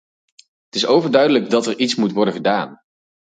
Het is overduidelijk dat er iets moet worden gedaan.